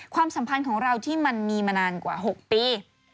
ความสัมพันธ์ของเราที่มันมีมานานกว่า๖ปี